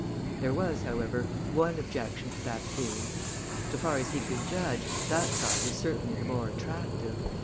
There was, however, one objection to that theory so far as he could judge, that side was certainly the more attractive.